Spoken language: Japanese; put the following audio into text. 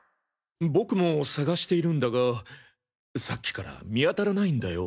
僕も探しているんだがさっきから見当たらないんだよ。